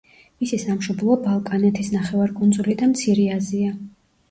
მისი სამშობლოა ბალკანეთის ნახევარკუნძული და მცირე აზია.